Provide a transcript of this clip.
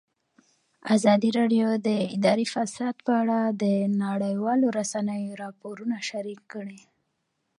ازادي راډیو د اداري فساد په اړه د نړیوالو رسنیو راپورونه شریک کړي.